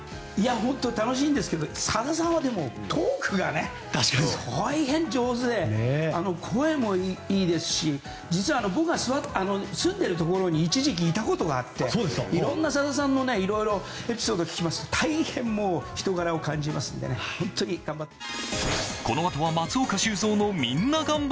本当楽しいんですけどさださんはトークが大変上手で、声もいいですし実は僕が住んでいるところに一時期いたことがっていろんなさださんのエピソードを聞くと大変人柄を感じますので本当に頑張ってください。